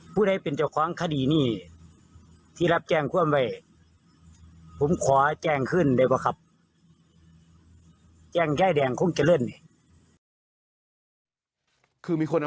ผู้ใดเป็นเจ้าของคดีนี่ที่รับแจ้งความไว้